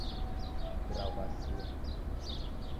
Mpira ghwasia